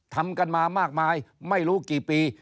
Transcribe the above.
ทำกันมามากมายไม่รู้กี่ปี